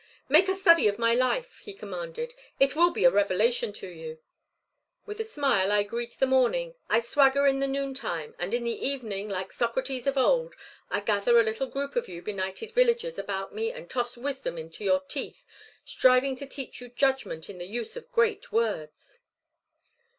"Make a study of my life," he commanded. "It will be a revelation to you. With a smile I greet the morning; I swagger in the noontime; and in the evening, like Socrates of old, I gather a little group of you benighted villagers about me and toss wisdom into your teeth, striving to teach you judgment in the use of great words."